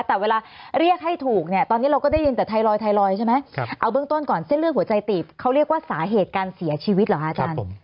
แต่เวลาเรียกให้ถูกเนี่ยตอนนี้เราก็ได้ยินแต่ไทรอยไทรอยด์ใช่ไหมเอาเบื้องต้นก่อนเส้นเลือดหัวใจตีบเขาเรียกว่าสาเหตุการเสียชีวิตเหรอคะอาจารย์